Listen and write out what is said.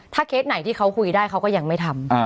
เคสไหนที่เขาคุยได้เขาก็ยังไม่ทำ